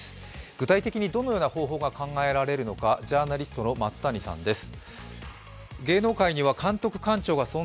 具体的にどのような方法が考えられるのかジャーナリストの松谷さんです。